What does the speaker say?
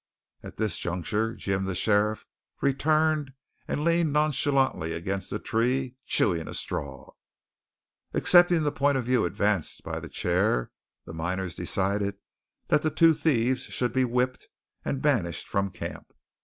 At this juncture Jim, the sheriff, returned and leaned nonchalantly against a tree, chewing a straw. Accepting the point of view advanced by the chair, the miners decided that the two thieves should be whipped and banished from camp.